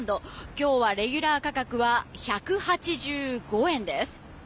今日はレギュラー価格は１８５円です。